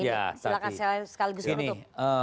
silahkan saya sekali justru untuk